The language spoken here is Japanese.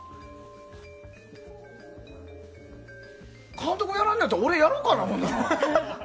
監督がやらないなら俺、やろうかな。